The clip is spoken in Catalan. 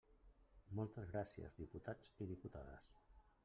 Moltes gràcies, diputats i diputades.